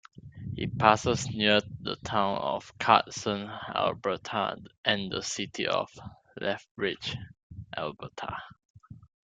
It passes near the town of Cardston, Alberta, and the city of Lethbridge, Alberta.